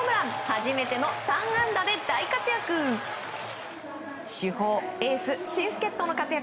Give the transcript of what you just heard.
初めての３安打で大活躍。